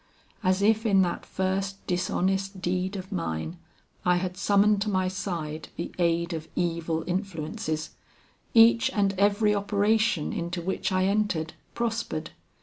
As if in that first dishonest deed of mine I had summoned to my side the aid of evil influences, each and every operation into which I entered prospered.